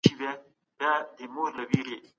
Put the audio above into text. د خیر په کارونو کې برخه واخلي.